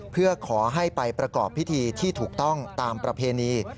เพื่อขอให้ไปประกอบพิธีที่ถูกต้องตามประเพณี